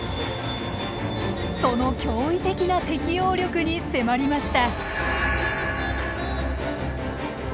その驚異的な適応力に迫りました。